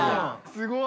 すごい。